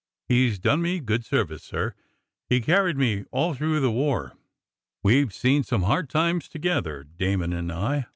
He 's done me good service, sir. He carried me all through the war. We 've seen some hard times together, Damon and I.